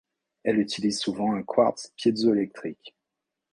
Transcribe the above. Elle utilise souvent un quartz piézoélectrique.